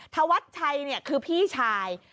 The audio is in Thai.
ทวัดชัยเนี่ยคือพี่ชาย